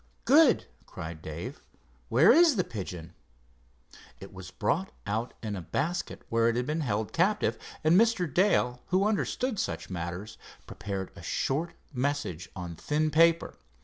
"Good!" cried Dave. "Where is the pigeon?" It was brought out in the basket where it had been held captive, and Mr. Dale, who understood such matters, prepared a short message on thin paper.